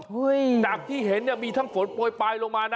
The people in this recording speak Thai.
จากที่เห็นตั้งฝนโปรยไปลงมานะ